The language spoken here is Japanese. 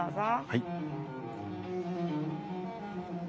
はい。